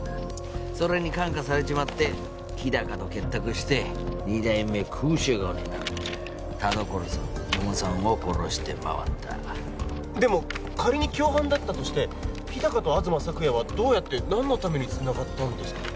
それに感化されちまって日高と結託して２代目クウシュウゴウになり田所さん四方さんを殺して回ったでも仮に共犯だったとして日高と東朔也はどうやって何のためにつながったんですかね